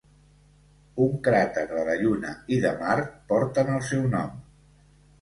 Un cràter de la Lluna i de Mart porten el seu nom.